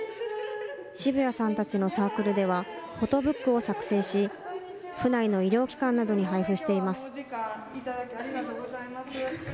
澁谷さんたちのサークルでは、フォトブックを作成し、府内の医療機関などに配布しています。